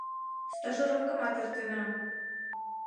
Стажировкымат эртенам...